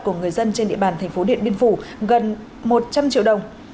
của người dân trên địa bàn tp điện biên phủ gần một trăm linh triệu đồng